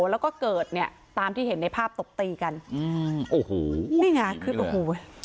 แล้วก็เกิดเนี่ยตามที่เห็นในภาพตบตีกันอืมโอ้โหนี่ไงคือโอ้โห